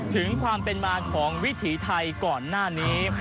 ถึงความเป็นมาของวิถีไทยก่อนหน้านี้